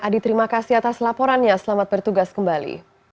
adi terima kasih atas laporannya selamat bertugas kembali